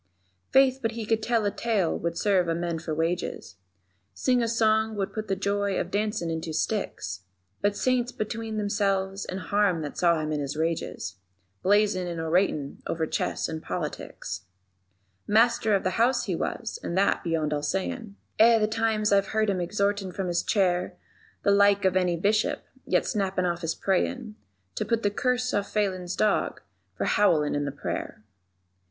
_ Faith, but he could tell a tale would serve a man for wages, Sing a song would put the joy of dancin' in two sticks; But Saints between themselves and harm that saw him in his rages, Blazin' and oratin' over chess and politics. Master of the House he was, and that beyond all sayin', Eh, the times I've heard him exhortin' from his chair The like of any Bishop, yet snappin' off his prayin' _To put the curse on Phelan's dog for howlin' in the prayer.